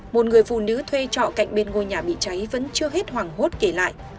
một người phụ nữ thuê trọ cạnh bên ngôi nhà bị cháy vẫn chưa hết hoảng hốt kể lại